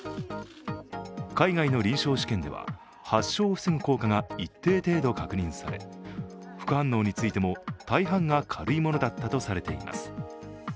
海外の臨床試験では発症を防ぐ効果が一定程度確認され副反応についても大半が軽いものだったとされています。